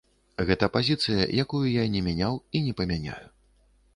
Гэта пазіцыя, якую я не мяняў і не памяняю.